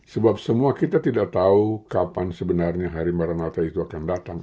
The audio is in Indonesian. sebab semua kita tidak tahu kapan sebenarnya harimara natal itu akan datang